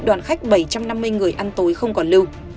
đoàn khách bảy trăm năm mươi người ăn tối không còn lưu